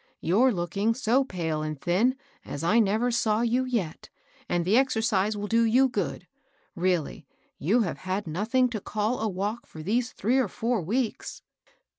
You're looking so pale and thin, as I never saw you yet ; and the exercise will do you good* £eally, you have had nothing to call a walk for these three or four weeks."